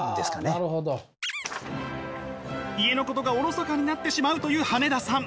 家のことがおろそかになってしまうという羽根田さん。